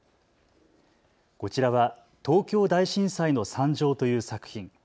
こちらは東京大震災の惨状という作品。